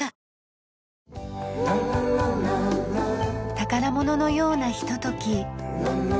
宝物のようなひととき。